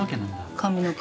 髪の毛。